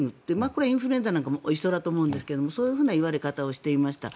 これはインフルエンザなんかも一緒だと思うんですがそういうふうな言われ方をしていました。